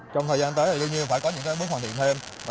trong thời gian tới luôn như phải có những bước hoàn thiện thêm